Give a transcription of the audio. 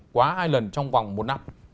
quá hai lần trong vòng một năm